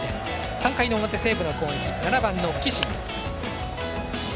３回の表、西武の攻撃、７番の岸。